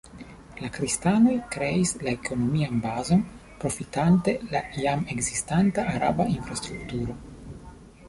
La kristanoj kreis la ekonomian bazon profitante la jam ekzistanta araba infrastrukturo.